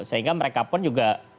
sehingga mereka pun juga